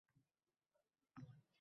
Janglarga kirgan!..